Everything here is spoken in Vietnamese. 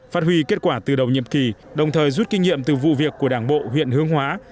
phát huy kết quả từ đầu nhiệm kỳ đồng thời rút kinh nghiệm từ vụ việc của đảng bộ huyện hương hóa